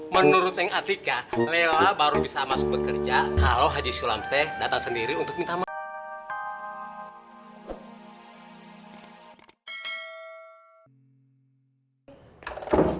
menurut tank atika lela baru bisa masuk bekerja kalau haji sulamteh datang sendiri untuk minta maaf